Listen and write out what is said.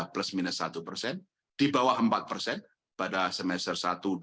plus minus satu di bawah empat pada semester satu dua ribu dua puluh dua dua ribu dua puluh tiga